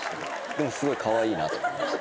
でもすごいカワイイなと思いました。